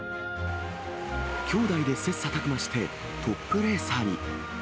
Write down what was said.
兄妹で切さたく磨してトップレーサーに。